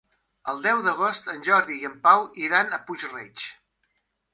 El deu d'agost en Jordi i en Pau iran a Puig-reig.